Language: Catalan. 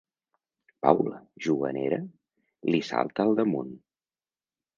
Paula, juganera, li salta al damunt.